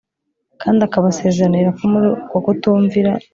kandi akabasezeranira ko muri uko kutumvira